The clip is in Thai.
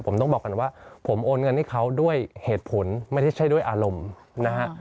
ผมต้องบอกก่อนว่าผมโอนเงินให้เขาด้วยเหตุผลไม่ใช่ด้วยอารมณ์นะฮะ